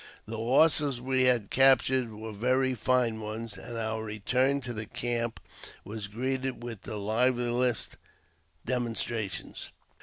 The horses we had captured were very fine ones, and our return to the camp was greeted with the Liveliest demonstrations.